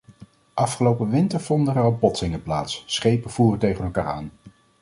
Afgelopen winter vonden er al botsingen plaats: schepen voeren tegen elkaar aan.